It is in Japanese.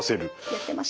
やってました。